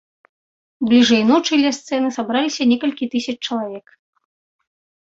Бліжэй ночы ля сцэны сабралася некалькі тысяч чалавек.